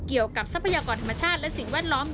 เกี่ยวกับทรัพยากรธรรมชาติและสิ่งแวดล้อม